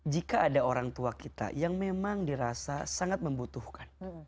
jika ada orang tua kita yang memang dirasa sangat membutuhkan